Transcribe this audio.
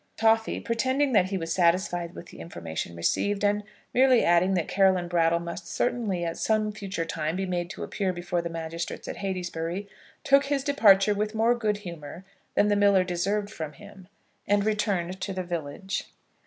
Toffy, pretending that he was satisfied with the information received, and merely adding that Caroline Brattle must certainly, at some future time, be made to appear before the magistrates at Heytesbury, took his departure with more good humour than the miller deserved from him, and returned to the village.